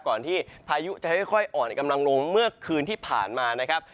ก่อนที่พายุจะค่อยอ่อนกำลังลงเมื่อคืนที่ผ่านมานะครับ